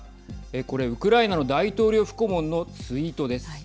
これ、ウクライナの大統領府顧問のツイートです。